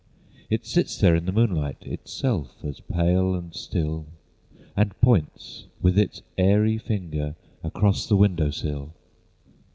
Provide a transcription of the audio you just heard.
It sits there in the moonlight Itself as pale and still, And points with its airy finger Across the window sill.